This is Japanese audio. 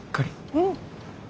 うん。